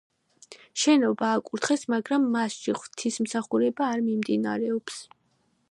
შენობა აკურთხეს, მაგრამ მასში ღვთისმსახურება არ მიმდინარეობს.